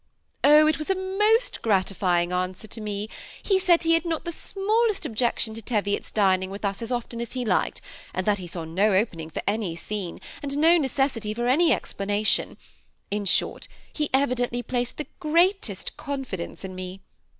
<< Oh ! it was a most gratifying answer to me. He said he had not the smallest objection to Teviot's din ing with us as often as he liked, and that he saw no opening for any scene, and no necessity for any explana tion ; in short, he evidently placed the greatest. confidence in me.